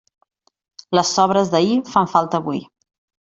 Les sobres d'ahir fan falta avui.